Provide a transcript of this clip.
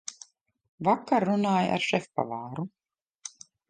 Vakar runāju ar šefpavāru.